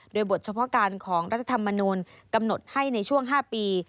โดยบทเฉพาะการของรัฐธรรมนูลกำหนดให้ในช่วง๕ปี